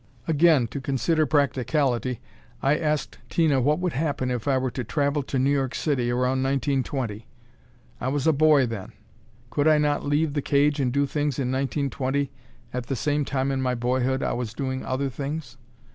Again to consider practicality, I asked Tina what would happen if I were to travel to New York City around 1920. I was a boy, then. Could I not leave the cage and do things in 1920 at the same time in my boyhood I was doing other things?